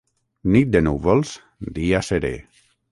Nit de núvols, dia serè.